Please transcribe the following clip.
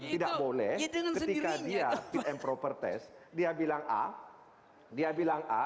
tidak boleh ketika dia fit and proper test dia bilang a dia bilang a